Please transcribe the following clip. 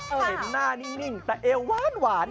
เห็นหน้านิ่งแต่เอวหวาน